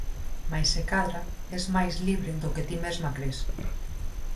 Mais se cadra es máis libre do que ti mesma cres.